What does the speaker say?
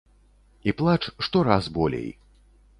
І плач штораз болей.